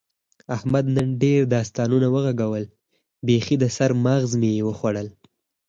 احمد نن ډېر داستانونه و غږول، بیخي د سر ماغز مې یې وخوړل.